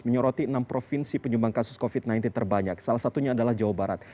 menyoroti enam provinsi penyumbang kasus covid sembilan belas terbanyak salah satunya adalah jawa barat